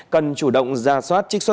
cần chủ động ra soát trích xuất